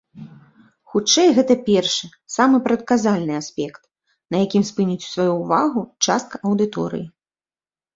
Хутчэй гэта першы, самы прадказальны аспект, на якім спыніць сваю ўвагу частка аўдыторыі.